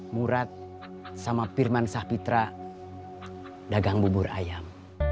murad sama firman sapitra dagang bubur ayam